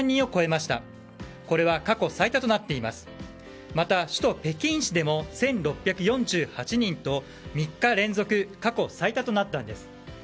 また、首都・北京市でも１６４８人と３日連続過去最多となったんです。